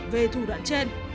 về thủ đoạn trên